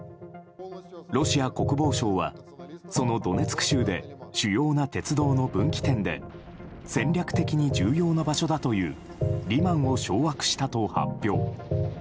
ロシア国防省はそのドネツク州で主要な鉄道の分岐点で戦略的に重要な場所だというリマンを掌握したと発表。